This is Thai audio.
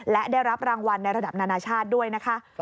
และได้รับรางวัลในระดับนานาชาติด้วยนะคะ